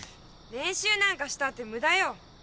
練習なんかしたって無駄よ。